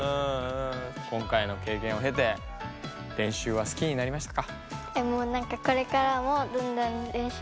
今回のけいけんをへて練習は好きになりましたか？